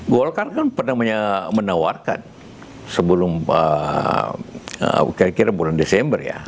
golkar kan pernah menawarkan sebelum kira kira bulan desember ya